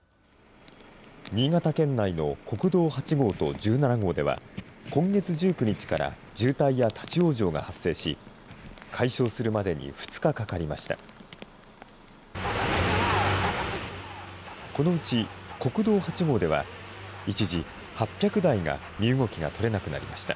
新潟県内の国道８号と１７号では、今月１９日から渋滞や立往生が発生し、解消するまでに２日かかりました。